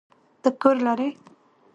ته کور لری؟